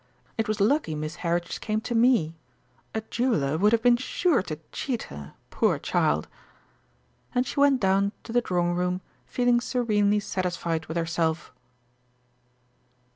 It was lucky Miss Heritage came to me. A jeweller would have been sure to cheat her, poor child!" And she went down to the drawing room feeling serenely satisfied with herself.